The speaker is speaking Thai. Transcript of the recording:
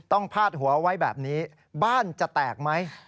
พาดหัวไว้แบบนี้บ้านจะแตกไหม